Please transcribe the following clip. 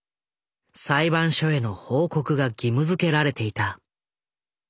裁判所への報告が義務付けられていた。